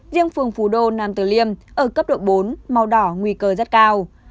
riêng phường phú đô nam tử liêm ở cấp độ bốn màu đỏ nguy cơ rất cao